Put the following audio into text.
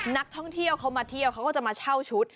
นักท่องเที่ยวเขามาเที่ยวเขาก็จะมาเช่าชุด